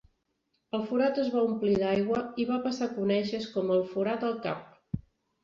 El forat es va omplir d'aigua i va passar a conèixer-se com "El Forat al Cap".